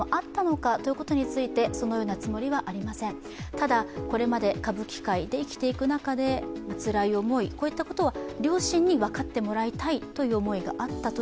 ただ、これまで歌舞伎界で生きていく中でつらい思い、こういったことは両親に分かってもらいたいという思いがあったと